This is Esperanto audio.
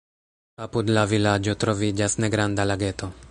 Apud la vilaĝo troviĝas negranda lageto.